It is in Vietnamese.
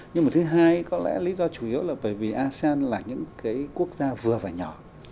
nhưng mà thứ hai có lẽ lý do chủ yếu là bởi vì asean là những cái quốc gia vừa và nhỏ